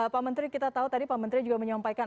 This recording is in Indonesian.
pak menteri kita tahu tadi pak menteri juga menyampaikan